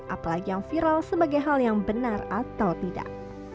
apalagi yang viral sebagai hal yang benar atau tidak